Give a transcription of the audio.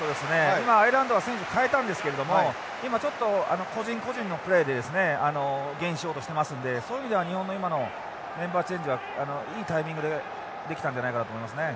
今アイルランドは選手代えたんですけれども今ちょっと個人個人のプレーでですねゲインしようとしてますのでそういう意味では日本の今のメンバーチェンジはいいタイミングでできたんじゃないかなと思いますね。